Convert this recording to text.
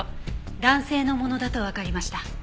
男性のものだとわかりました。